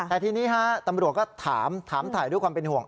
แต่ทีนี้ฮะตำรวจก็ถามถามถ่ายด้วยความเป็นห่วง